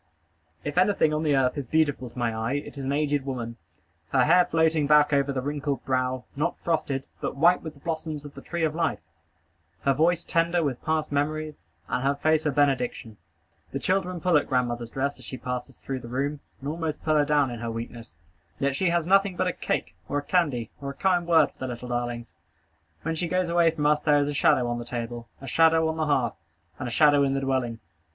If anything on the earth is beautiful to my eye, it is an aged woman; her hair floating back over the wrinkled brow, not frosted, but white with the blossoms of the tree of life; her voice tender with past memories, and her face a benediction. The children pull at grandmother's dress as she passes through the room, and almost pull her down in her weakness; yet she has nothing but a cake, or a candy, or a kind word for the little darlings. When she goes away from us there is a shadow on the table, a shadow on the hearth, and a shadow in the dwelling.